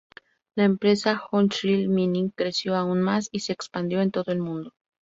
La empresa, Hochschild Mining, creció aún más y se expandió en todo el mundo.